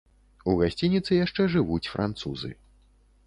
У гасцініцы яшчэ жывуць французы.